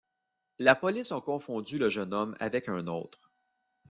La police a confondu le jeune homme avec un autre.